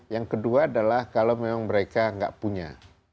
yang kedua adalah kalau mereka memang tidak punya